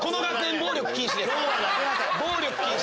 暴力禁止。